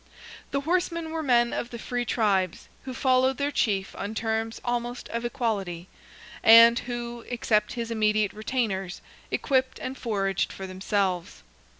The horsemen were men of the free tribes, who followed their chief on terms almost of equality, and who, except his immediate retainers, equipped and foraged for themselves.